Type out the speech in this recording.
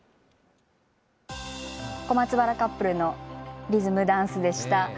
小松原カップルのリズムダンスでした。